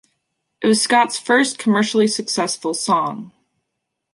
It was Scott's first commercially successful song.